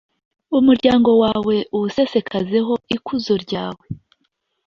umuryango wawe uwusesekazeho ikuzo ryawe.